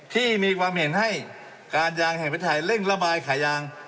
ที่มีความเห็นให้การยางแห่งประเทศไทยเร่งระบายขายาง